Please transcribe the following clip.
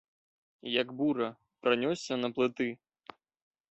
Як бура, пранёсся на плыты.